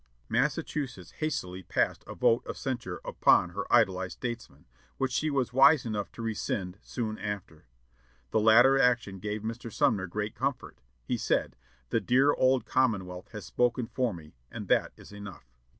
Massachusetts hastily passed a vote of censure upon her idolized statesman, which she was wise enough to rescind soon after. This latter action gave Mr. Sumner great comfort. He said, "The dear old commonwealth has spoken for me, and that is enough."